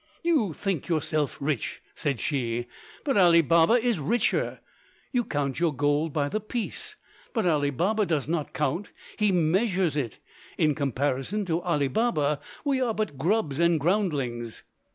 "You think yourself rich," said she, "but Ali Baba is richer. You count your gold by the piece, but Ali Baba does not count, he measures it! In comparison to Ali Baba we are but grubs and groundlings!"